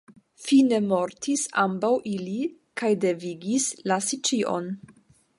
Fine mortis ambaŭ ili, kaj devigis lasi ĉion.